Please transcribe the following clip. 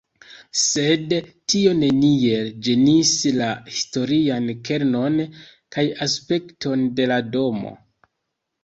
Sed tio neniel ĝenis la historian kernon kaj aspekton de la domo.